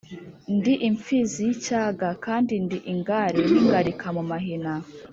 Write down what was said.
ndi imfizi y’icyaga kandi ndi ingare n’ingalika mu mahina